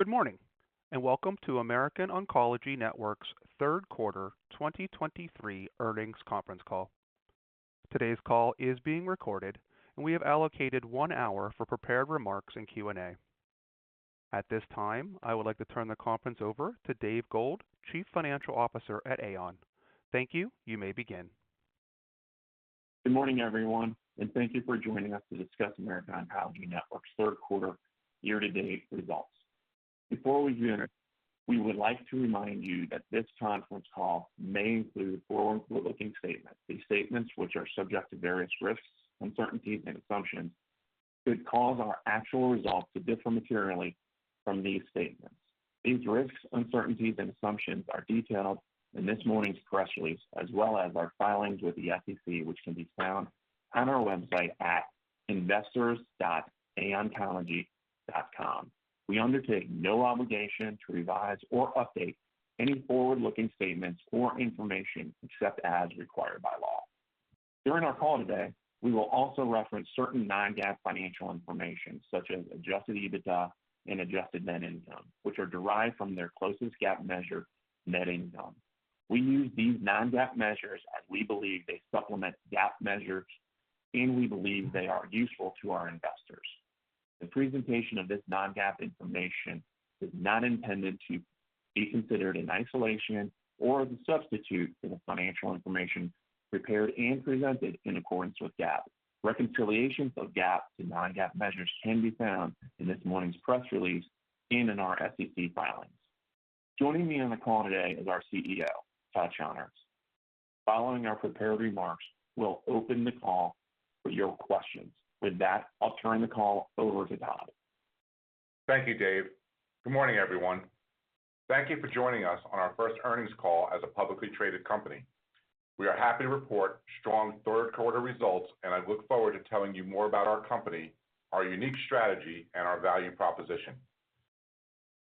Good morning, and welcome to American Oncology Network's Q3 2023 earnings conference call. Today's call is being recorded, and we have allocated one hour for prepared remarks and Q&A. At this time, I would like to turn the conference over to Dave Gould, Chief Financial Officer at AON. Thank you. You may begin. Good morning, everyone, and thank you for joining us to discuss American Oncology Network's Q3 year-to-date results. Before we begin, we would like to remind you that this conference call may include forward-looking statements. These statements, which are subject to various risks, uncertainties, and assumptions, could cause our actual results to differ materially from these statements. These risks, uncertainties and assumptions are detailed in this morning's press release, as well as our filings with the SEC, which can be found on our website at investors.aoncology.com. We undertake no obligation to revise or update any forward-looking statements or information except as required by law. During our call today, we will also reference certain non-GAAP financial information, such as adjusted EBITDA and adjusted net income, which are derived from their closest GAAP measure, net income. We use these non-GAAP measures as we believe they supplement GAAP measures and we believe they are useful to our investors. The presentation of this non-GAAP information is not intended to be considered in isolation or as a substitute for the financial information prepared and presented in accordance with GAAP. Reconciliations of GAAP to non-GAAP measures can be found in this morning's press release and in our SEC filings. Joining me on the call today is our CEO, Todd Schonherz. Following our prepared remarks, we'll open the call for your questions. With that, I'll turn the call over to Todd. Thank you, Dave. Good morning, everyone. Thank you for joining us on our first earnings call as a publicly traded company. We are happy to report strong Q3 results, and I look forward to telling you more about our company, our unique strategy, and our value proposition.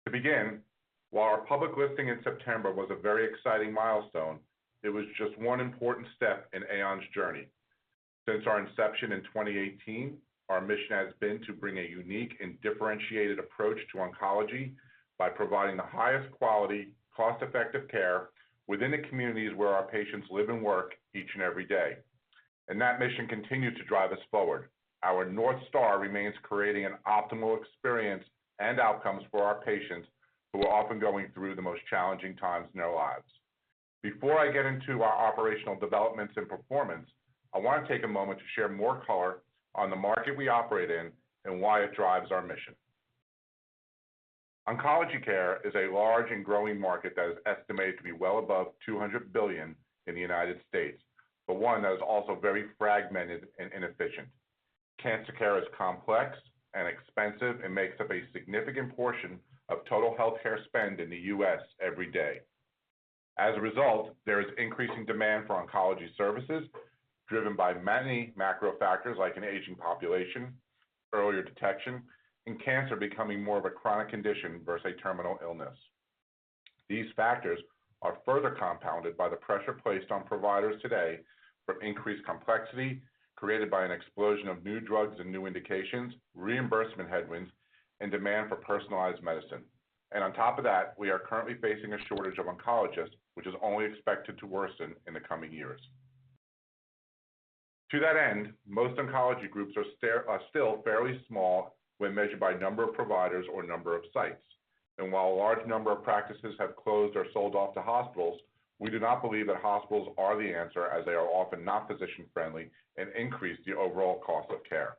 To begin, while our public listing in September was a very exciting milestone, it was just one important step in AON's journey. Since our inception in 2018, our mission has been to bring a unique and differentiated approach to oncology by providing the highest quality, cost-effective care within the communities where our patients live and work each and every day, and that mission continues to drive us forward. Our North Star remains creating an optimal experience and outcomes for our patients, who are often going through the most challenging times in their lives. Before I get into our operational developments and performance, I want to take a moment to share more color on the market we operate in and why it drives our mission. Oncology care is a large and growing market that is estimated to be well above $200 billion in the United States, but one that is also very fragmented and inefficient. Cancer care is complex and expensive and makes up a significant portion of total healthcare spend in the U.S. every day. As a result, there is increasing demand for oncology services, driven by many macro factors like an aging population, earlier detection, and cancer becoming more of a chronic condition versus a terminal illness. These factors are further compounded by the pressure placed on providers today from increased complexity created by an explosion of new drugs and new indications, reimbursement headwinds, and demand for personalized medicine. And on top of that, we are currently facing a shortage of oncologists, which is only expected to worsen in the coming years. To that end, most oncology groups are still fairly small when measured by number of providers or number of sites. And while a large number of practices have closed or sold off to hospitals, we do not believe that hospitals are the answer, as they are often not physician-friendly and increase the overall cost of care.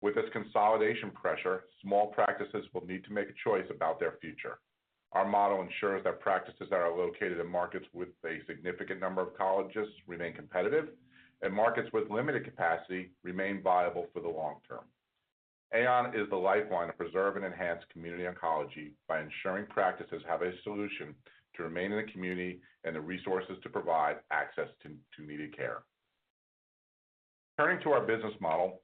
With this consolidation pressure, small practices will need to make a choice about their future. Our model ensures that practices that are located in markets with a significant number of oncologists remain competitive, and markets with limited capacity remain viable for the long term. AON is the lifeline to preserve and enhance community oncology by ensuring practices have a solution to remain in the community and the resources to provide access to needed care. Turning to our business model,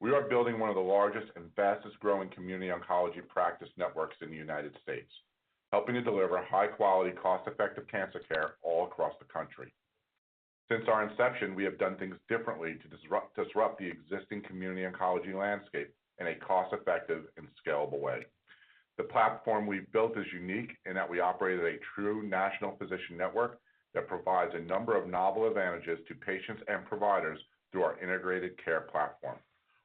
we are building one of the largest and fastest-growing community oncology practice networks in the United States, helping to deliver high-quality, cost-effective cancer care all across the country. Since our inception, we have done things differently to disrupt the existing community oncology landscape in a cost-effective and scalable way. The platform we've built is unique in that we operate as a true national physician network that provides a number of novel advantages to patients and providers through our integrated care platform.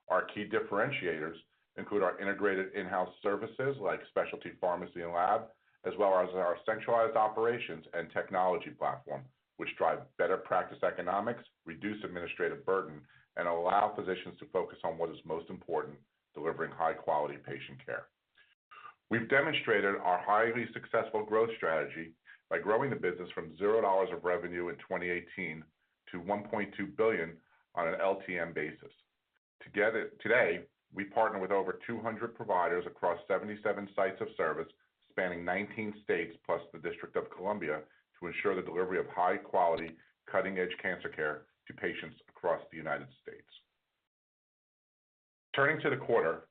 Our key differentiators include our integrated in-house services, like specialty pharmacy and lab, as well as our centralized operations and technology platform, which drive better practice economics, reduce administrative burden, and allow physicians to focus on what is most important: delivering high-quality patient care. We've demonstrated our highly successful growth strategy by growing the business from $0 of revenue in 2018 to $1.2 billion on an LTM basis. Together, today, we partner with over 200 providers across 77 sites of service, spanning 19 states plus the District of Columbia, to ensure the delivery of high-quality, cutting-edge cancer care to patients across the United States. Turning to the quarter,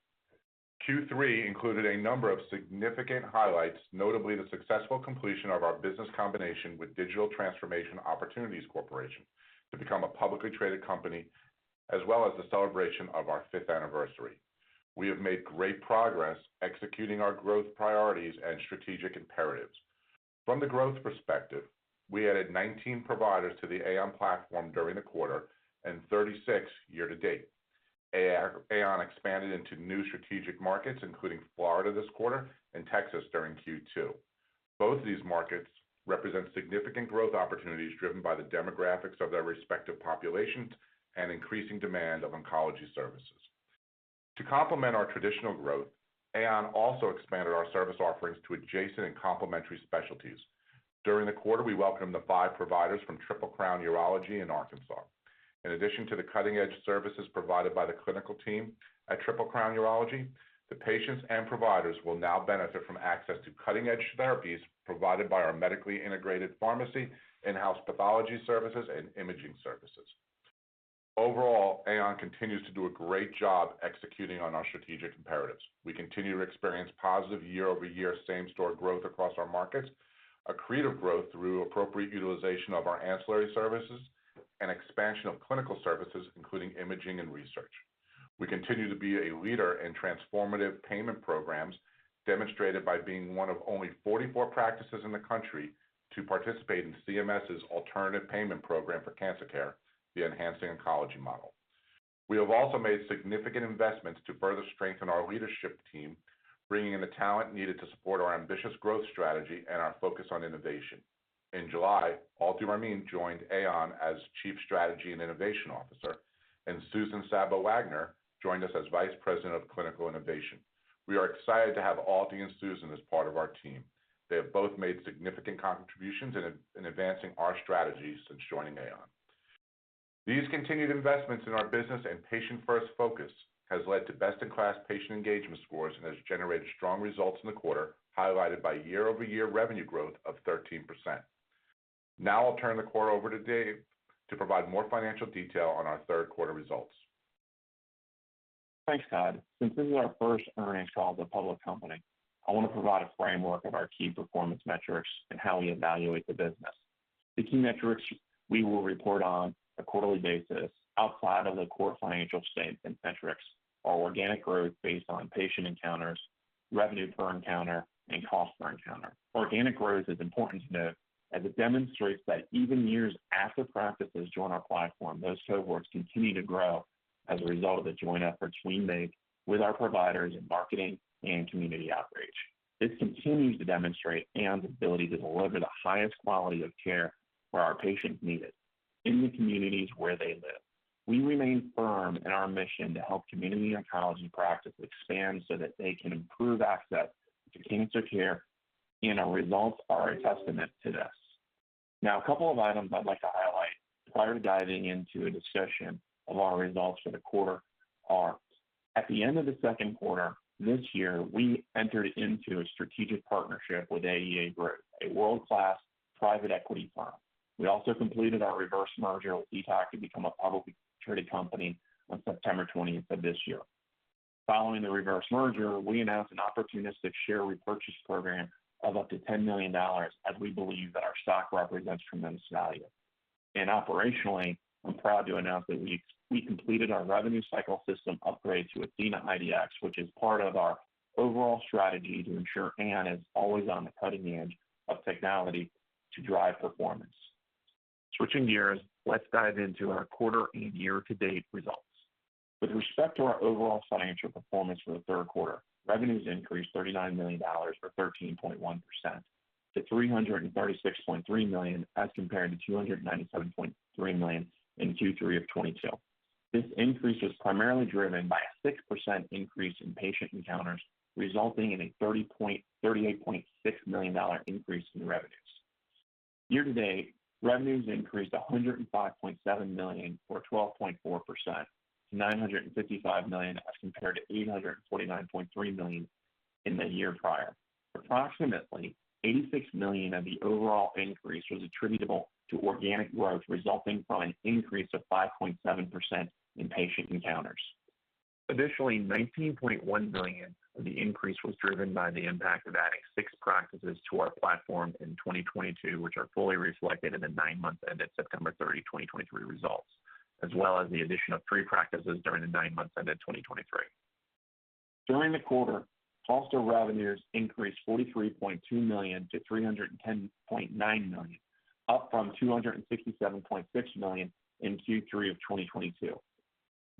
Q3 included a number of significant highlights, notably the successful completion of our business combination with Digital Transformation Opportunities Corporation to become a publicly traded company, as well as the celebration of our fifth anniversary. We have made great progress executing our growth priorities and strategic imperatives. From the growth perspective, we added 19 providers to the AON platform during the quarter, and 36 year to date. AON expanded into new strategic markets, including Florida this quarter and Texas during Q2. Both these markets represent significant growth opportunities, driven by the demographics of their respective populations and increasing demand of oncology services. To complement our traditional growth, AON also expanded our service offerings to adjacent and complementary specialties. During the quarter, we welcomed the 5 providers from Triple Crown Urology in Arkansas. In addition to the cutting-edge services provided by the clinical team at Triple Crown Urology, the patients and providers will now benefit from access to cutting-edge therapies provided by our medically integrated pharmacy, in-house pathology services, and imaging services. Overall, AON continues to do a great job executing on our strategic imperatives. We continue to experience positive year-over-year same-store growth across our markets, accretive growth through appropriate utilization of our ancillary services, and expansion of clinical services, including imaging and research. We continue to be a leader in transformative payment programs, demonstrated by being one of only 44 practices in the country to participate in CMS's alternative payment program for cancer care, the Enhancing Oncology Model. We have also made significant investments to further strengthen our leadership team, bringing in the talent needed to support our ambitious growth strategy and our focus on innovation. In July, Alti Rahman joined AON as Chief Strategy and Innovation Officer, and Susan Sabo-Wagner joined us as Vice President of Clinical Innovation. We are excited to have Alti and Susan as part of our team. They have both made significant contributions in advancing our strategy since joining AON. These continued investments in our business and patient-first focus has led to best-in-class patient engagement scores and has generated strong results in the quarter, highlighted by year-over-year revenue growth of 13%. Now I'll turn the call over to Dave to provide more financial detail on our Q3 results. Thanks, Todd. Since this is our first earnings call as a public company, I want to provide a framework of our key performance metrics and how we evaluate the business. The key metrics we will report on a quarterly basis outside of the core financial statements and metrics are organic growth based on patient encounters, revenue per encounter, and cost per encounter. Organic growth is important to note as it demonstrates that even years after practices join our platform, those cohorts continue to grow as a result of the joint efforts we make with our providers in marketing and community outreach. This continues to demonstrate AON's ability to deliver the highest quality of care where our patients need it, in the communities where they live. We remain firm in our mission to help community oncology practices expand so that they can improve access to cancer care, and our results are a testament to this. Now, a couple of items I'd like to highlight prior to diving into a discussion of our results for the quarter are: at the end of the Q2 this year, we entered into a strategic partnership with AEA Investors, a world-class private equity firm. We also completed our reverse merger with DTOC to become a publicly traded company on September twentieth of this year. Following the reverse merger, we announced an opportunistic share repurchase program of up to $10 million, as we believe that our stock represents tremendous value. Operationally, I'm proud to announce that we completed our revenue cycle system upgrade to athenaIDX, which is part of our overall strategy to ensure AON is always on the cutting edge of technology to drive performance. Switching gears, let's dive into our quarter and year-to-date results. With respect to our overall financial performance for the Q3, revenues increased $39 million, or 13.1% to $336.3 million, as compared to $297.3 million in Q3 of 2022. This increase was primarily driven by a 6% increase in patient encounters, resulting in a $38.6 million increase in revenues. Year to date, revenues increased $105.7 million, or 12.4% to $955 million, as compared to $849.3 million in the year prior. Approximately, $86 million of the overall increase was attributable to organic growth, resulting from an increase of 5.7% in patient encounters. Additionally, $19.1 million of the increase was driven by the impact of adding 6 practices to our platform in 2022, which are fully reflected in the nine months ended September 30, 2023, results, as well as the addition of 3 practices during the nine months ended 2023. During the quarter, cost of revenues increased $43.2 million to $310.9 million, up from $267.6 million in Q3 of 2022.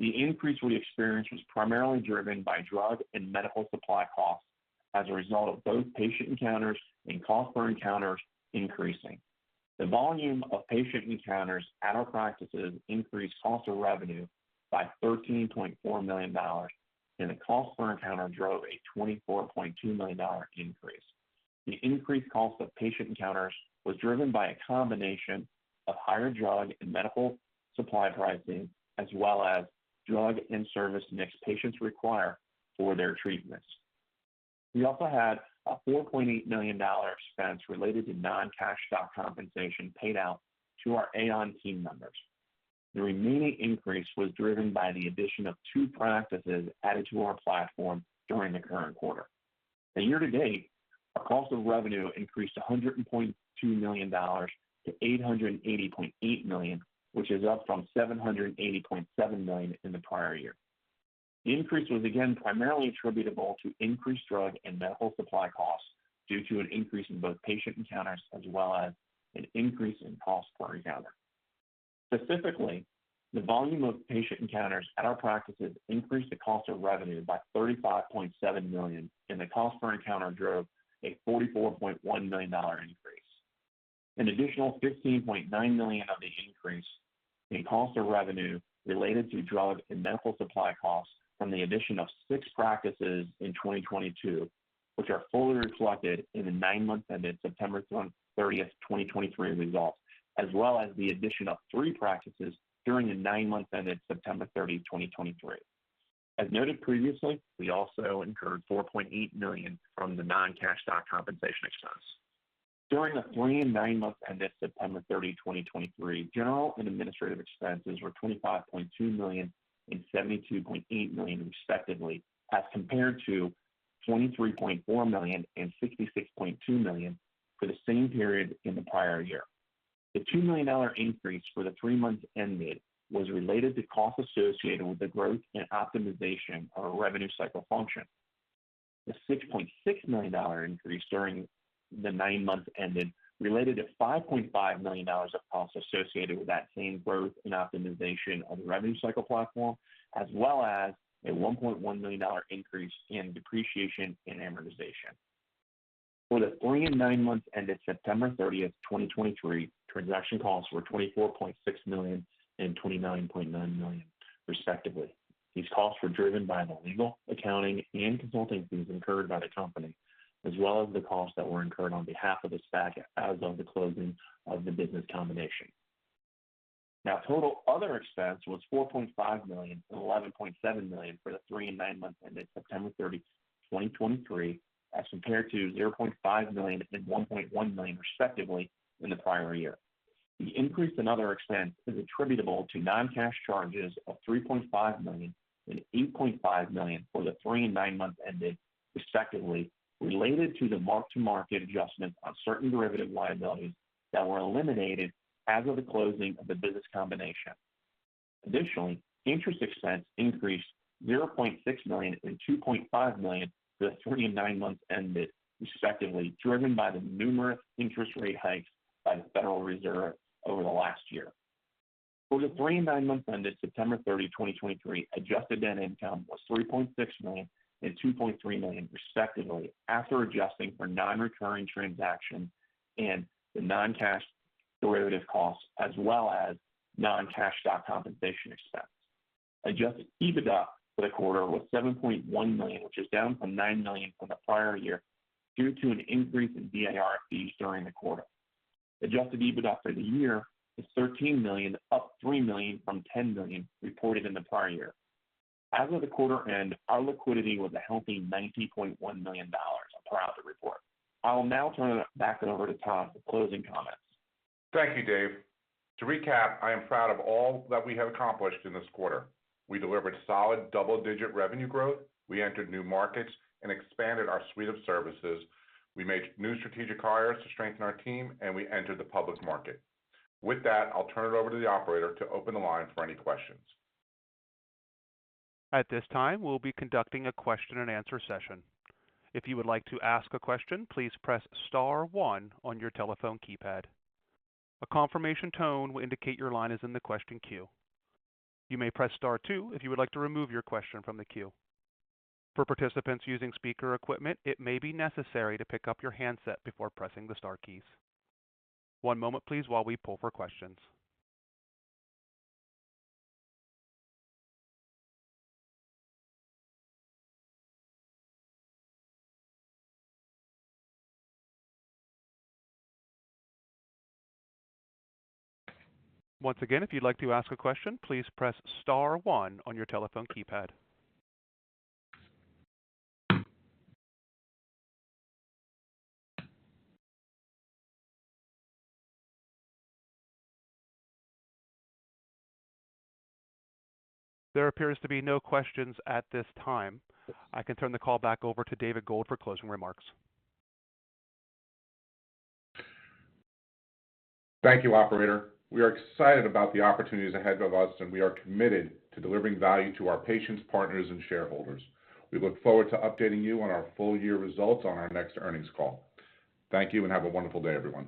The increase we experienced was primarily driven by drug and medical supply costs as a result of both patient encounters and cost per encounters increasing. The volume of patient encounters at our practices increased cost of revenue by $13.4 million, and the cost per encounter drove a $24.2 million increase. The increased cost of patient encounters was driven by a combination of higher drug and medical supply pricing, as well as drug and service mixed patients require for their treatments. We also had a $4.8 million expense related to non-cash stock compensation paid out to our AON team members. The remaining increase was driven by the addition of two practices added to our platform during the current quarter. Year-to-date, our cost of revenue increased $100.2 million to $880.8 million, which is up from $780.7 million in the prior year. The increase was again primarily attributable to increased drug and medical supply costs due to an increase in both patient encounters as well as an increase in cost per encounter. Specifically, the volume of patient encounters at our practices increased the cost of revenue by $35.7 million, and the cost per encounter drove a $44.1 million dollar increase. An additional $15.9 million of the increase in cost of revenue related to drug and medical supply costs from the addition of 6 practices in 2022, which are fully reflected in the nine-month ended September 30, 2023 results, as well as the addition of 3 practices during the nine months ended September 30, 2023. As noted previously, we also incurred $4.8 million from the non-cash stock compensation expense. During the 3 and 9 months ended September 30, 2023, general and administrative expenses were $25.2 million and $72.8 million, respectively, as compared to $23.4 million and $66.2 million for the same period in the prior year. The $2 million increase for the 3 months ended was related to costs associated with the growth and optimization of our revenue cycle function. The $6.6 million increase during the nine months ended related to $5.5 million of costs associated with that same growth and optimization of the revenue cycle platform, as well as a $1.1 million increase in depreciation and amortization. For the three and nine months ended September 30, 2023, transaction costs were $24.6 million and $29.9 million, respectively. These costs were driven by the legal, accounting, and consulting fees incurred by the company, as well as the costs that were incurred on behalf of the SPAC as of the closing of the business combination. Now, total other expense was $4.5 million and $11.7 million for the three and nine months ended September 30, 2023, as compared to $0.5 million and $1.1 million, respectively, in the prior year. The increase in other expense is attributable to non-cash charges of $3.5 million and $8.5 million for the three and nine months ended, respectively, related to the mark-to-market adjustment of certain derivative liabilities that were eliminated as of the closing of the business combination. Additionally, interest expense increased $0.6 million and $2.5 million for the three and nine months ended, respectively, driven by the numerous interest rate hikes by the Federal Reserve over the last year. For the three and nine months ended September 30, 2023, Adjusted Net Income was $3.6 million and $2.3 million, respectively, after adjusting for non-recurring transaction and the non-cash derivative costs, as well as non-cash stock compensation expense. Adjusted EBITDA for the quarter was $7.1 million, which is down from $9 million from the prior year due to an increase in DIR fees during the quarter. Adjusted EBITDA for the year is $13 million, up $3 million from $10 million reported in the prior year. As of the quarter end, our liquidity was a healthy $90.1 million. I'm proud to report. I will now turn it back over to Todd for closing comments. Thank you, Dave. To recap, I am proud of all that we have accomplished in this quarter. We delivered solid double-digit revenue growth, we entered new markets and expanded our suite of services, we made new strategic hires to strengthen our team, and we entered the public market. With that, I'll turn it over to the operator to open the line for any questions. At this time, we'll be conducting a question and answer session. If you would like to ask a question, please press star one on your telephone keypad. A confirmation tone will indicate your line is in the question queue. You may press star two if you would like to remove your question from the queue. For participants using speaker equipment, it may be necessary to pick up your handset before pressing the star keys. One moment, please, while we pull for questions. Once again, if you'd like to ask a question, please press star one on your telephone keypad. There appears to be no questions at this time. I can turn the call back over to Dave Gould for closing remarks. Thank you, Operator. We are excited about the opportunities ahead of us, and we are committed to delivering value to our patients, partners, and shareholders. We look forward to updating you on our full year results on our next earnings call. Thank you, and have a wonderful day, everyone.